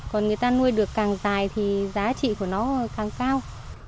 còn người ta nuôi được càng dài thì giá trị của nó càng cao